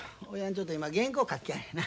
ちょっと今原稿書きやんねな。